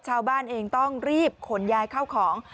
ชาวบ้านเองต้องรีบขนย้ายเข้าของ